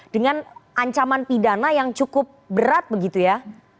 dengan ancaman pidana yang cukup berat begitu ya